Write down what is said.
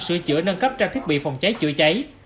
sửa chữa nâng cấp trang thiết bị phòng cháy chữa cháy